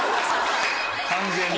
完全に。